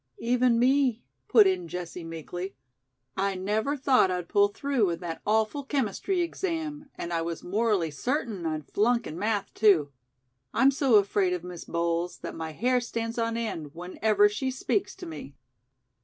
"Even me," put in Jessie meekly. "I never thought I'd pull through in that awful chemistry exam., and I was morally certain I'd flunk in math., too. I'm so afraid of Miss Bowles that my hair stands on end whenever she speaks to me."